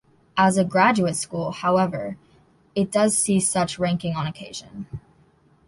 As a graduate school, however, it does see such ranking on occasion.